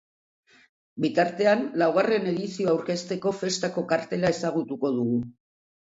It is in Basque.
Bitartean, laugarren edizioa aurkezteko festako kartela ezagutu dugu.